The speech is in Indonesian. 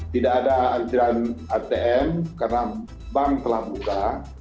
tidak ada antrian atm karena bank telah buka